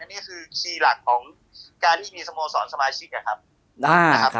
นี่คือคีย์หลักของการที่มีสโมสรสมาชิกนะครับ